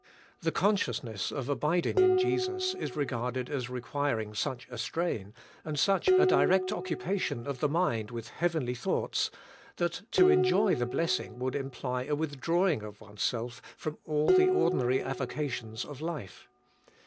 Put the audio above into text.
The consciousness of abiding in Jesus is regarded as requiring such a strain, and such a direct occupation of the mind with heavenly thoughts, that to enjoy the blessing would imply a withdrawing of oneself from all the ordinary avocations of life.